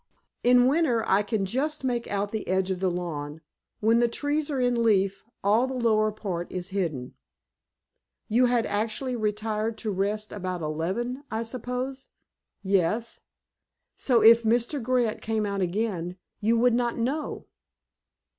In winter I can just make out the edge of the lawn. When the trees are in leaf, all the lower part is hidden." "You had actually retired to rest about eleven, I suppose?" "Yes." "So if Mr. Grant came out again you would not know?"